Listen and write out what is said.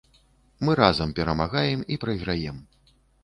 Мы разам перамагаем і прайграем.